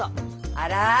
あら！